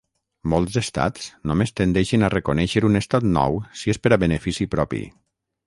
Molts estats només tendeixen a reconèixer un estat nou si és per a benefici propi.